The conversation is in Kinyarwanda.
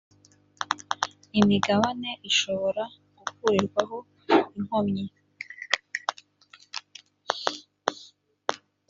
imigabane ishobora gukurirwaho inkomyi